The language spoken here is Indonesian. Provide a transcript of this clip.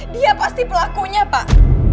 dia pasti pelakunya pak